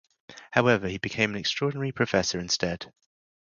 However, he became an extraordinary professor instead.